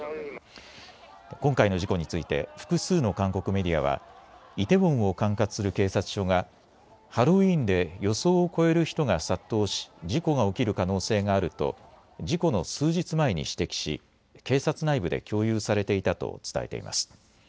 今回の事故について複数の韓国メディアはイテウォンを管轄する警察署がハロウィーンで予想を超える人が殺到し事故が起きる可能性があると事故の数日前に指摘し警察内部で共有されていたと伝えています。